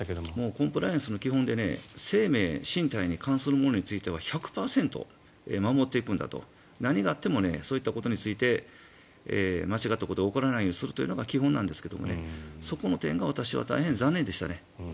コンプライアンスの基本で生命、身体に関するものは１００％守っていくんだと何があってもそういったことについて間違ったことが起こらないようにするというのが基本なんですがそこの点が私は大変残念でしたね。